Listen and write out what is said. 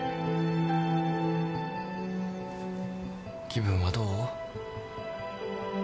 気分はどう？